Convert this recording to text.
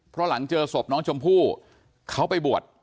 เพราะหลังเจอศพน้องชมพู่เขาไปบวช